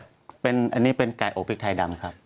อันนี้เป็นไก่อบพริกไทยดำครับ